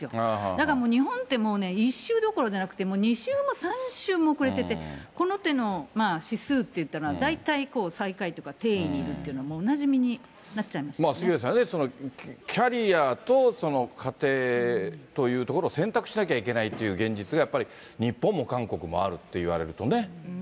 だから日本ってね、１周どころじゃなくて、もう２周も３周も遅れてて、この手の指数っていうのは、大体最下位とか低位にいるっていうのは、おなじみになっちゃいま杉上さんね、キャリアと家庭というところを選択しなきゃいけないっていう現実が、やっぱり日本も韓国もあるっていわれるとね。